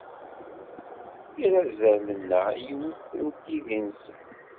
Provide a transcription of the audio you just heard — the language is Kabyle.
Irazalen-a yiwet n tiddi-nsen.